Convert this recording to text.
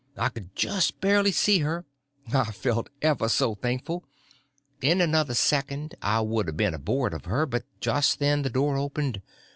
I could just barely see her. I felt ever so thankful. In another second I would a been aboard of her, but just then the door opened.